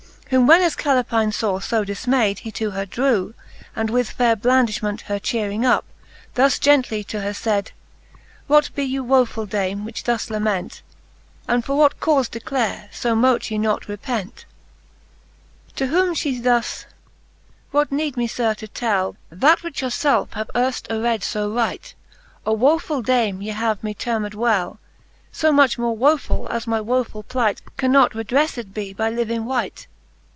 Whom when as Calepine faw fo difmayd, He to her drew, and with faire blandiihment Her chearing up, thus gently to her fayd ; What be you, wofuU dame, which thus lament,, And for what caufe declare, fo mote ye not repent ? XXVIII. To whom fhe thus ; What need me. Sir, to tell That which your felfe have earft ared fo right ^ A wofull dame ye have me termed well ; So much more wofull, as my wofull plight Carmot redrefTed be by living wight.